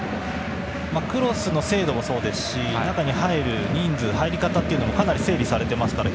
クロスの精度もそうですし中に入る人数入り方というのもかなり整理されていますから。